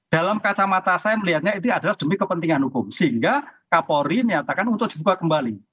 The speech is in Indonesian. dalam kacamata saya melihatnya itu adalah demi kepentingan hukum sehingga kapolri nyatakan untuk dibuka kembali